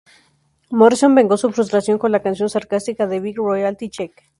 Morrison vengó su frustración con la canción sarcástica "The Big Royalty Check".